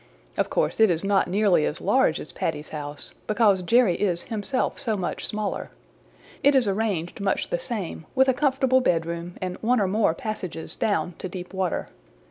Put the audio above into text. Of course it is not nearly as large as Paddy's house, because Jerry is himself so much smaller. It is arranged much the same, with a comfortable bedroom and one or more passages down to deep water.